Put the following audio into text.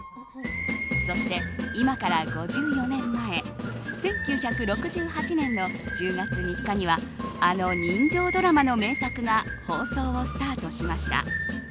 そして、今から５４年前１９６８年の１０月３日にはあの人情ドラマの名作が放送をスタートしました。